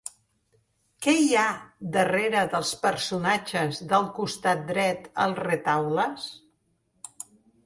Què hi ha darrere dels personatges del costat dret als retaules?